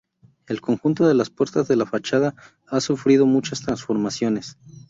El conjunto de las puertas de la fachada ha sufrido muchas transformaciones.